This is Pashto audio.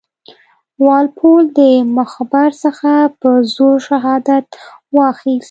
وال پول د مخبر څخه په زور شهادت واخیست.